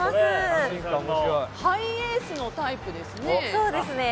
ハイエースのタイプですね。